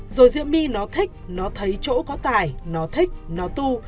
rồi diễm my nó thích nó thấy chỗ có tài nó thích nó tu